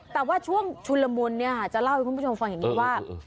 แต่ว่าช่วงชุนละมุนจะเล่าให้คุณผู้ชมฟังอย่างนี้ว่า